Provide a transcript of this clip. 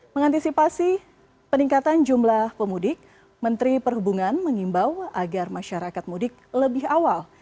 mengantisipasi peningkatan jumlah pemudik menteri perhubungan mengimbau agar masyarakat mudik lebih awal